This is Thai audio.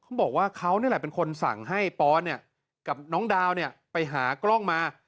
เขาบอกว่าเขานี่แหละเป็นคนสั่งให้ปอนกับน้องดาวไปหากล้องมา